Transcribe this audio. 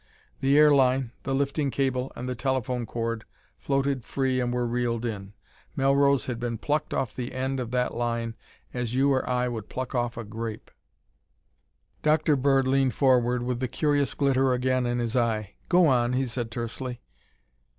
The air line, the lifting cable and the telephone cord floated free and were reeled in. Melrose had been plucked off the end of that line as you or I would pluck off a grape." Dr. Bird leaned forward with the curious glitter again in his eye. "Go on," he said tersely.